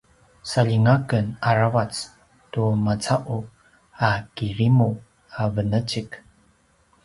saljinga aken aravac tu maca’u a kirimu a venecik